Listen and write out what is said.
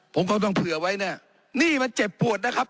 ผมก็ต้องเผื่อไว้เนี่ยนี่มันเจ็บปวดนะครับ